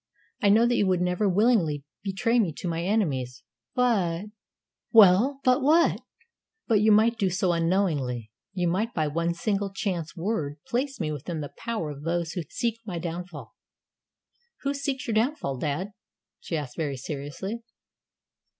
I know that you would never willingly betray me to my enemies; but " "Well, but what?" "But you might do so unknowingly. You might by one single chance word place me within the power of those who seek my downfall." "Who seeks your downfall, dad?" she asked very seriously.